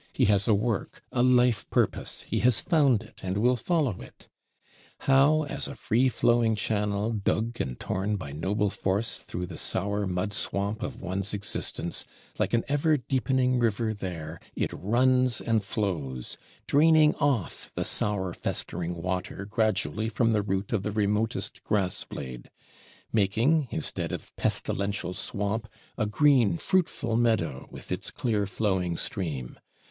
He has a work, a life purpose; he has found it, and will follow it! How, as a free flowing channel, dug and torn by noble force through the sour mud swamp of one's existence, like an ever deepening river there, it runs and flows; draining off the sour festering water gradually from the root of the remotest grass blade; making, instead of pestilential swamp, a green fruitful meadow with its clear flowing stream.